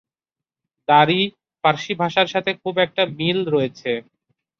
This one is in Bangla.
দারি ফার্সি ভাষার সাথে এর খুব মিল রয়েছে।